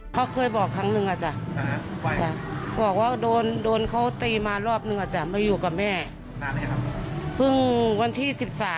แต่ไม่คิดว่าเขาจะทำอย่างนี้